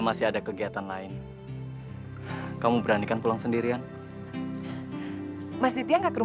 mas kita akan pergi jalan baru